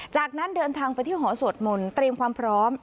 จากนั้นเดินทางไปที่หอสวดมนต์เตรียมความพร้อม